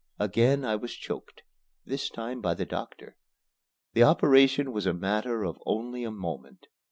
Again I was choked, this time by the doctor. The operation was a matter of only a moment.